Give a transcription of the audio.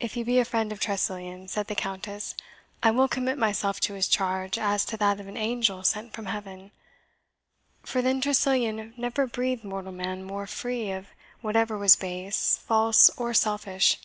"If he be a friend of Tressilian," said the Countess, "I will commit myself to his charge as to that of an angel sent from heaven; for than Tressilian never breathed mortal man more free of whatever was base, false, or selfish.